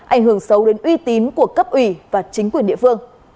ảnh hưởng xấu đến uy tín của cấp ủy và chính quyền địa phương